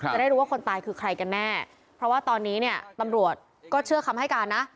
จะได้รู้ว่าคนตายคือใครกันแน่เพราะว่าตอนนี้เนี่ยตำรวจก็เชื่อคำให้การนะ